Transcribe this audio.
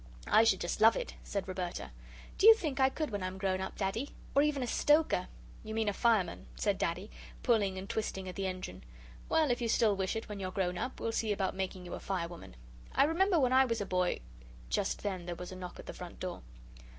"I should just love it," said Roberta "do you think I could when I'm grown up, Daddy? Or even a stoker?" "You mean a fireman," said Daddy, pulling and twisting at the engine. "Well, if you still wish it, when you're grown up, we'll see about making you a fire woman. I remember when I was a boy " Just then there was a knock at the front door.